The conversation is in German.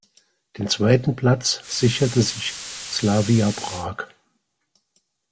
Den zweiten Platz sicherte sich Slavia Prag.